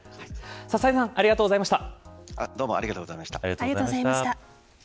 佐々井さんありがとうございました。